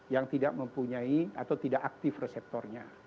yang tidak mempunyai atau tidak aktif reseptornya